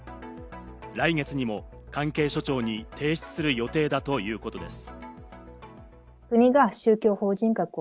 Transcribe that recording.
来月にも関係省庁に提出する予定だということです。